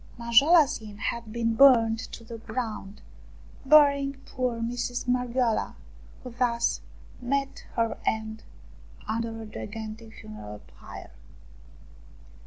Manjoala's Inn had been burnt to the ground, burying poor Mistress Marghioala, who thus met her end under a gigantic funeral pyre.